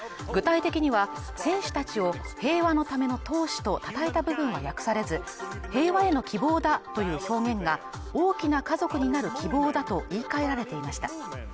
具体的には選手たちを平和のための闘士と称えた部分は訳されず平和への希望だという表現が大きな家族になる希望だと言い換えられていました